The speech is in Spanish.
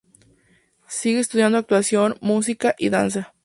Sigue estudiando actuación, música y danza.